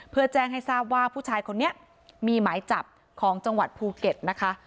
เพื่อแจ้งให้ทราบว่าผู้ชายคนนี้มีหมายจับของจังหวัดภูเก็ตนะคะ